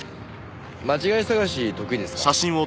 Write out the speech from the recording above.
間違い探し得意ですか？